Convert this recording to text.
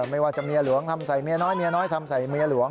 ไม่ว่าจะเมียหลวงทำใส่เมียน้อยเมียน้อยทำใส่เมียหลวง